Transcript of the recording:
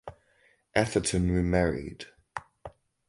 Atherton remarried.